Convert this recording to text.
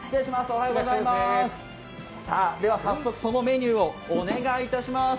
早速そのメニューをお願いいたします。